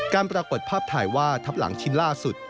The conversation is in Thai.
ปรากฏภาพถ่ายว่าทับหลังชิ้นล่าสุด